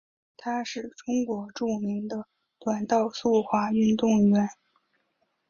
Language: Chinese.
她是中国著名的短道速滑运动员。